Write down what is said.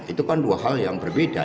itu kan dua hal yang berbeda